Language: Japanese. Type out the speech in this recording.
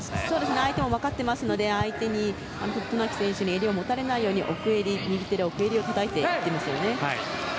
相手もわかっていますので相手に渡名喜選手に襟を持たれないように奥襟をたたいていますよね。